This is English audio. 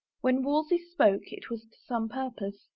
When Wolsey spoke it was to some purpose.